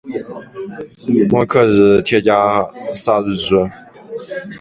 我可以添加什么语句？